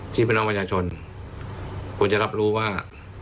พี่น้องประชาชนควรจะรับรู้ว่า